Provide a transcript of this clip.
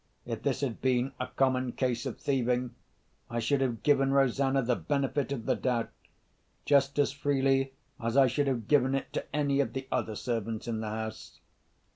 If this had been a common case of thieving, I should have given Rosanna the benefit of the doubt just as freely as I should have given it to any of the other servants in the house.